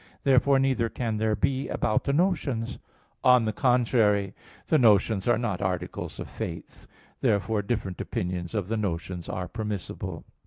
Therefore neither can there be about the notions. On the contrary, The notions are not articles of faith. Therefore different opinions of the notions are permissible.